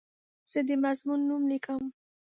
زه د مضمون نوم لیکم.